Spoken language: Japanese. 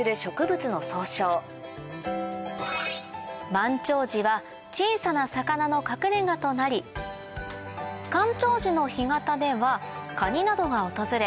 満潮時は小さな魚の隠れ家となり干潮時の干潟ではカニなどが訪れ